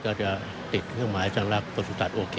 ก็จะติดเครื่องหมายสำหรับปศุสัตว์โอเค